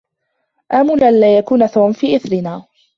آمل ألّا يكون توم في إثرنا.